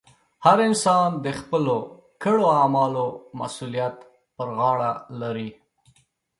هر انسان د خپلو کړو اعمالو مسؤلیت پر غاړه لري.